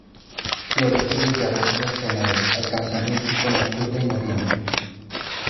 Florece desde agosto hasta enero alcanzando un pico en octubre y noviembre.